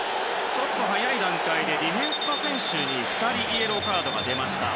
ちょっと早い段階でディフェンスの選手２人にイエローカードが出ました。